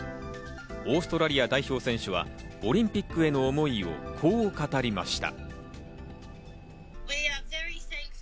オーストラリア代表選手はオリンピックへの思いをこう語りました。